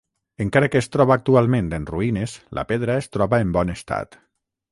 Encara que es troba actualment en ruïnes, la pedra es troba en bon estat.